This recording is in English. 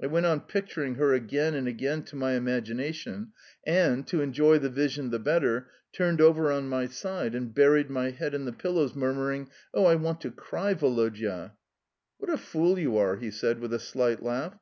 I went on picturing her again and again to my imagination, and, to enjoy the vision the better, turned over on my side and buried my head in the pillows, murmuring, "Oh, I want to cry, Woloda." "What a fool you are!" he said with a slight laugh.